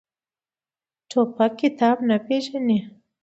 توپک کتاب نه پېژني.